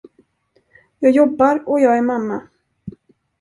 Jag jobbar och jag är mamma.